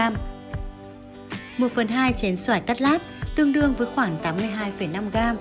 một phần hai chén xoài cắt lát tương đương với khoảng tám mươi hai năm g